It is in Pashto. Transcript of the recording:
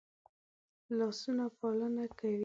لاسونه پالنه کوي